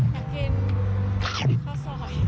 อยากกินข้าวซอย